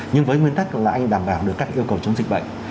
nhưng với nguyên tắc là anh đảm bảo được các yêu cầu chống dịch bệnh